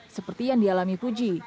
seperti yang dialami puji